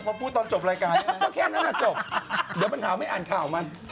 พอพูดตอนจบรายการแค่นั้นแหละจบเดี๋ยวมันข่าวไม่อ่านข่าวมัน